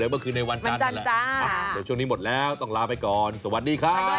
โปรดติดตามตอนต่อไป